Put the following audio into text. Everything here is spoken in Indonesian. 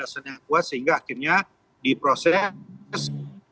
sehingga akhirnya di proses